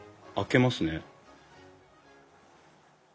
開けますね。